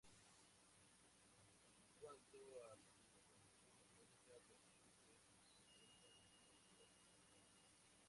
En cuanto a su condición económica, percibe ingresos de su empresa de transporte pesado.